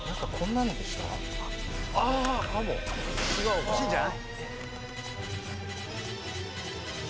惜しいんじゃない？